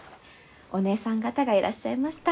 お姐さん方がいらっしゃいました。